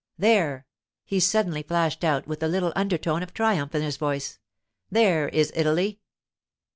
'There,' he suddenly flashed out, with a little undertone of triumph in his voice—'there is Italy!